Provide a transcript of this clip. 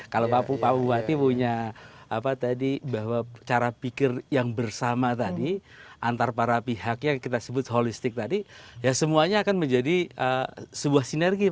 kalau pak buwati punya cara pikir yang bersama tadi antara para pihak yang kita sebut holistik tadi semuanya akan menjadi sebuah sinergi